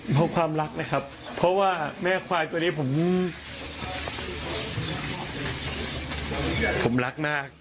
เพราะความรักนะครับเพราะว่าแม่ควายตัวนี้ผมรักมาก